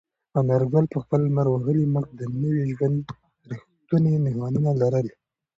انارګل په خپل لمر وهلي مخ د نوي ژوند رښتونې نښانونه لرل.